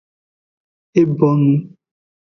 E bonu.